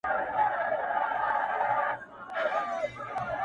صندان د محبت دي په هر واري مخته راسي ـ